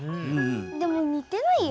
でも似てないよ。